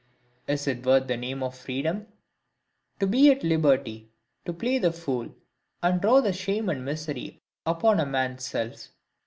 Is it worth the name of freedom to be at liberty to play the fool, and draw shame and misery upon a man's self?